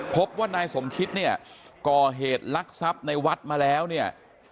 พบว่านายสมคิตเนี่ยก่อเหตุลักษัพในวัดมาแล้วเนี่ย